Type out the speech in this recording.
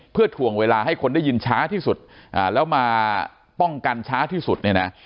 เพื่อถ่วงเวลาให้คนได้ยินช้าที่สุดแล้วมาป้องกันช้าที่สุดเนี่ยนะ